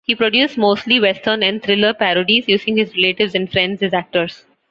He produced mostly western and thriller parodies, using his relatives and friends as actors.